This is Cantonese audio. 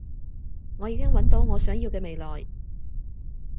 我已經搵到我想要嘅未來